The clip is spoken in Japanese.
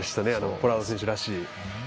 ポラード選手らしい。